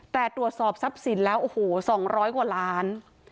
แต่ตรวจสอบทรัพย์สินแล้วโอ้โห๒๐๐กว่าล้าน